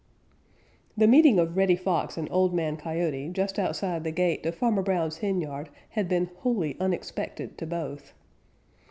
_ The meeting of Reddy Fox and Old Man Coyote just outside the gate to Farmer Brown's henyard had been wholly unexpected to both.